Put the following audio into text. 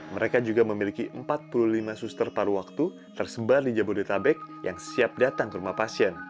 mereka juga memiliki empat puluh lima suster paru waktu tersebar di jabodetabek yang siap datang ke rumah pasien